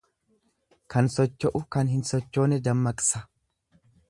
Kan socho'u kan hin sochoone dammaqsa.